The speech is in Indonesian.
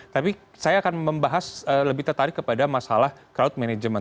tapi saya akan membahas lebih tertarik kepada masalah crowd management